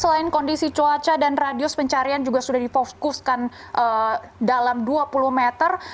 selain kondisi cuaca dan radius pencarian juga sudah difokuskan dalam dua puluh meter